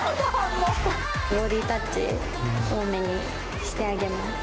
もう・ボディタッチ多めにしてあげます